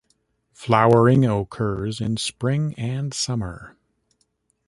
Flowering occurs in spring and summer.